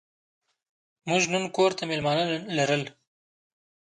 موږ نن کور ته مېلمانه لرل.